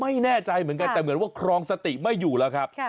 ไม่แน่ใจเหมือนกันแต่เหมือนว่าครองสติไม่อยู่แล้วครับ